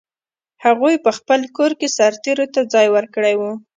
هغوی په خپل کور کې سرتېرو ته ځای ورکړی و.